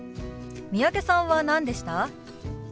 三宅さんは何でした？